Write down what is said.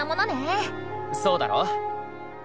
そうだろ。